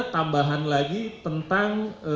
tambahan lagi tentang